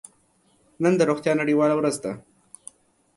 نن د روغتیا نړیواله ورځ ده.